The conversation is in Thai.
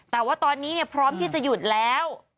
แต่ว่าตอนนี้พร้อมที่จะหยุดแล้ว